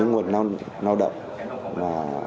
nguồn lao động